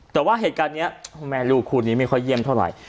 แต่ว่าเหตุการณ์นี้แม่ลูกคู่นี้ไม่ค่อยเยี่ยมเท่าไหร่